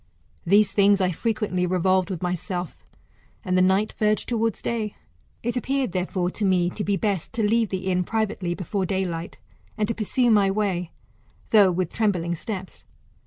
These things I frequently revolved with myself, and the night verged towards day. " It appeared, therefore, to me to be best, to leave the inn privately before daylight, and to pursue my way, though with trembling steps.